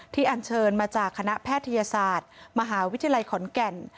อันเชิญมาจากคณะแพทยศาสตร์มหาวิทยาลัยขอนแก่น